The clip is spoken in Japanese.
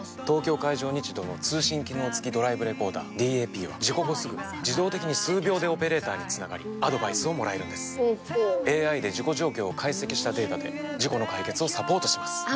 東京海上日動の通信機能付きドライブレコーダーＤＡＰは事故後すぐ自動的に数秒でオペレーターにつながりアドバイスをもらえるんですＡＩで事故状況を解析したデータで事故の解決をサポートします